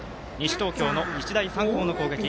東京の日大三高の攻撃。